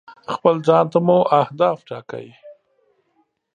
خپل ځان ته مو اهداف ټاکئ.